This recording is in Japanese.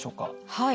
はい。